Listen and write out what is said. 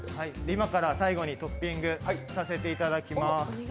今から最後にトッピングさせていただきます。